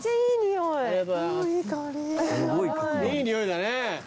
いい匂いだね。